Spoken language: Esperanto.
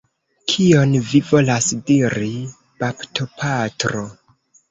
Kion vi volas diri, baptopatro?